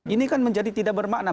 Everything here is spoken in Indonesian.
ini kan menjadi tidak bermakna